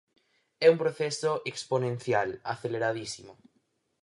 É un proceso exponencial, aceleradísimo.